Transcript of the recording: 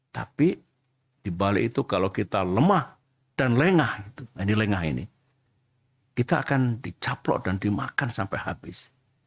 tapi dibalik itu kalau kita lemah dan lengah ini lengah ini kita akan dicaplok dan dimakan sampai habis